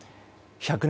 １００年